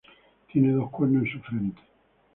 Tiene dos cuernos en su frente.